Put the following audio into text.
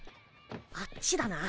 あっちだな。